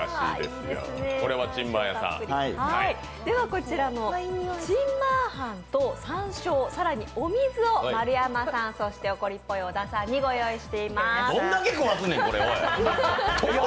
こちらの陳麻飯とさんしょう、更に、お水を丸山さんそして怒りっぽい小田さんに御用意しています。